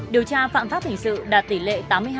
điều tra phạm pháp hình sự đạt tỷ lệ tám mươi hai năm mươi tám